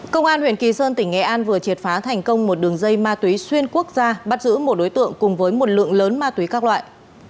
công an huyện kỳ sơn tỉnh nghệ an vừa triệt phá thành công một đường dây ma túy xuyên quốc gia bắt giữ một đối tượng cùng với một lượng lớn ma túy các loại